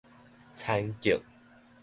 田徑